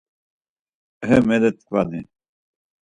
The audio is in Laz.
Ehe meletkvani.